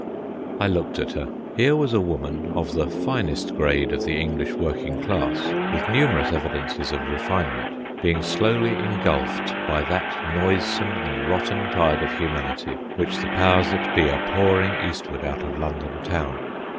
I looked at her. Here was a woman, of the finest grade of the English working class, with numerous evidences of refinement, being slowly engulfed by that noisome and rotten tide of humanity which the powers that be are pouring eastward out of London Town.